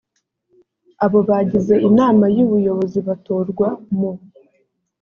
abo bagize inama y ubuyobozi batorwa mu